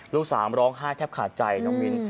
ลูกสาวร้องไห้แทบขาดใจน้องมิ้น